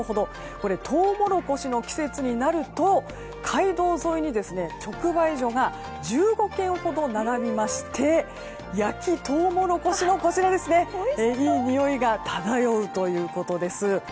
トウモロコシの季節になると街道沿いに直売所が１５軒ほど並びまして焼きトウモロコシなどのいいにおいが漂うということです。